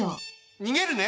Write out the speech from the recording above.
にげるね。